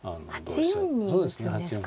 ８四に打つんですか。